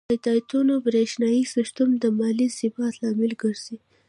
د تادیاتو بریښنایی سیستم د مالي ثبات لامل ګرځي.